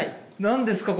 何ですか？